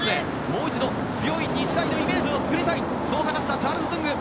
もう一度強い日大のイメージを作りたいと話したチャールズ・ドゥング。